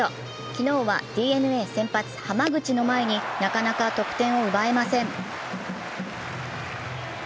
昨日はＤｅＮＡ先発・濱口の前になかなか得点を奪えません。